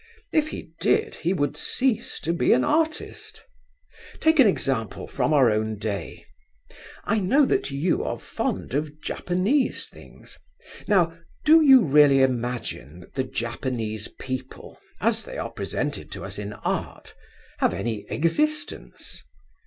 If he did, he would cease to be an artist. Take an example from our own day. I know that you are fond of Japanese things. Now, do you really imagine that the Japanese people, as they are presented to us in art, have any existence?